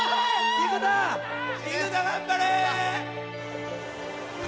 菊田頑張れ！